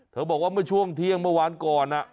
บอกว่าเมื่อช่วงเที่ยงเมื่อวานก่อน